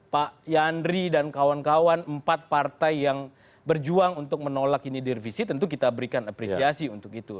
pak yandri dan kawan kawan empat partai yang berjuang untuk menolak ini direvisi tentu kita berikan apresiasi untuk itu